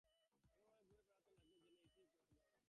এমনভাবে ঘুরে বেড়াতে লাগল, যেন এইটি তার ঘরবাড়ি।